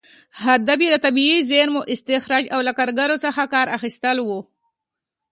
هدف یې د طبیعي زېرمو استخراج او له کارګرو څخه کار اخیستل و.